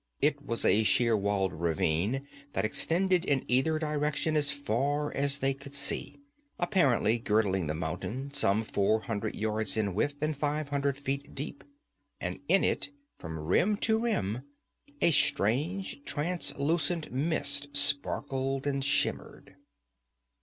It was a sheer walled ravine that extended in either direction as far as they could see, apparently girdling the mountain, some four hundred yards in width and five hundred feet deep. And in it, from rim to rim, a strange, translucent mist sparkled and shimmered.